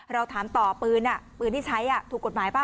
เราถามต่อปืนปืนที่ใช้ถูกกฎหมายป่ะ